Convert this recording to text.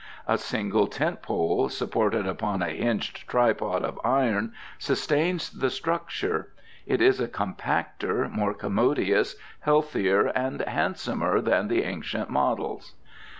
A single tent pole, supported upon a hinged tripod of iron, sustains the structure. It is compacter, more commodious, healthier, and handsomer than the ancient models.